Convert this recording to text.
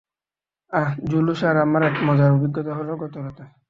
আহ, Jules আর আমার এক মজার অভিজ্ঞতা হলো গত রাতে।